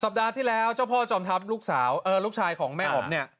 ปัดที่แล้วเจ้าพ่อจอมทัพลูกสาวลูกชายของแม่อ๋อมเนี่ย